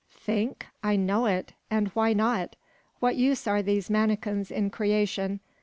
"Think! I know it; and why not? What use are these manikins in creation?